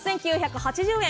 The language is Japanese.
８９８０円。